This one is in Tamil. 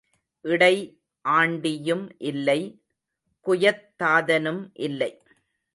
இடை ஆண்டியும் இல்லை குயத் தாதனும் இல்லை.